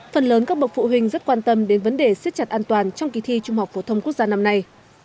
phần lớn các bậc phụ huynh rất quan tâm đến vấn đề siết chặt an toàn trong kỳ thi trung học phổ thông quốc gia năm nay